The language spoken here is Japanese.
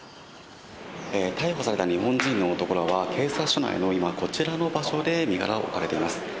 逮捕された日本人の男らは警察署内の今、こちらの場所で、身柄が置かれています。